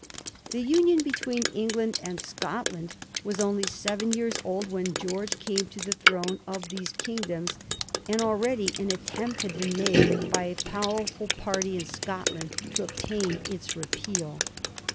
The Union between England and Scotland was only seven years old when Gfeorge came to the throne of these kingdoms, and already an attempt had been made by a powerful party in Scotland to obtain its repeal.